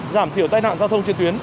giảm thiểu tai nạn giao thông trên tuyến